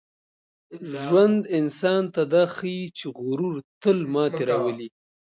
ژوند انسان ته دا ښيي چي غرور تل ماتې راولي.